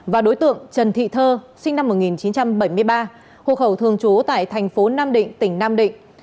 và đối tượng trần thị thơ sinh năm một nghìn chín trăm bảy mươi ba hộ khẩu thường trú tại thành phố nam định tỉnh nam định